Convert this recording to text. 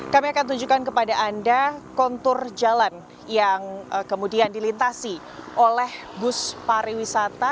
kami akan tunjukkan kepada anda kontur jalan yang kemudian dilintasi oleh bus pariwisata